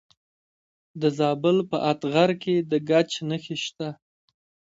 د زابل په اتغر کې د ګچ نښې شته.